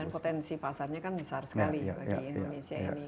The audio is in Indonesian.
dan potensi pasarnya kan besar sekali bagi indonesia ini